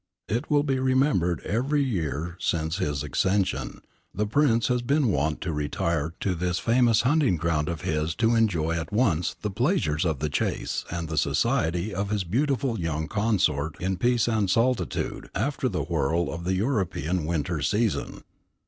It will be remembered that every year since his accession, the Prince has been wont to retire to this famous hunting ground of his to enjoy at once the pleasures of the chase and the society of his beautiful young consort in peace and solitude after the whirl of the European winter season.